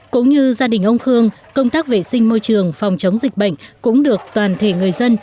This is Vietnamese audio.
cũng như gia đình ông khương công tác vệ sinh môi trường phòng chống dịch bệnh cũng được toàn thể người dân